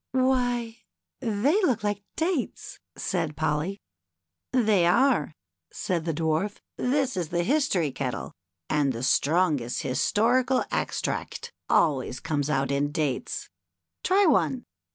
" Why, they look like dates !" said Polly. " They are," said the Dwarf ;" this is the History kettle, and the strongest historical extract always comes out in dates. Try one."